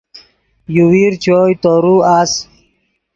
یوویر چوئے تورو اَس